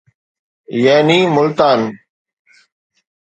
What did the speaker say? يعني ملتان